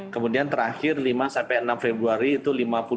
kemudian terakhir lima sampai enam februari itu lima puluh dua lima puluh empat